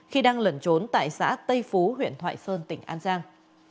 khi đang lẩn trốn tại xã tây phú huyện thoại sơn tỉnh an giang